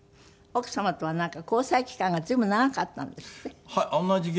奥様とはなんか交際期間が随分長かったんですって？